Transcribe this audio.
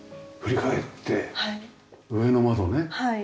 振り返って上の窓ね。